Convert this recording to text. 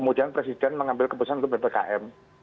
mbak desaf mengambil keputusan untuk ppkm